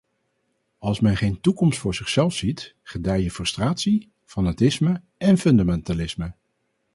Als men geen toekomst voor zichzelf ziet, gedijen frustratie, fanatisme en fundamentalisme.